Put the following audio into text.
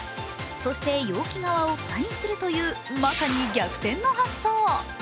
そして容器側を蓋にするというまさに逆転の発想。